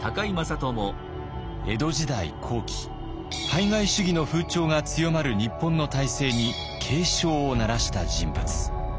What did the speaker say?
江戸時代後期排外主義の風潮が強まる日本の体制に警鐘を鳴らした人物。